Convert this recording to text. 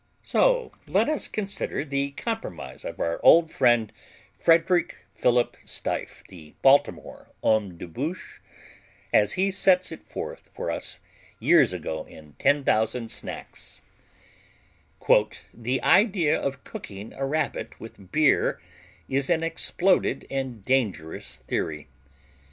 So let us consider the compromise of our old friend Frederick Philip Stieff, the Baltimore homme de bouche, as he set it forth for us years ago in 10,000 Snacks: "The idea of cooking a Rabbit with beer is an exploded and dangerous theory.